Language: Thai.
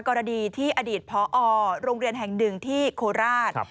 กรณีที่อดีตพอโรงเรียนแห่งหนึ่งที่โคราช